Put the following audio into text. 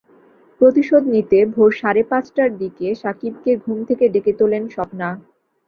প্রতিশোধ নিতে ভোর সাড়ে পাঁচটার দিকে সাকিবকে ঘুম থেকে ডেকে তোলেন স্বপ্না।